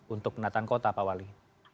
untuk penataan kota pak wali